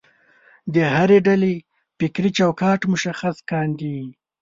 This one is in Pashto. د هرې ډلې فکري چوکاټ مشخص کاندي.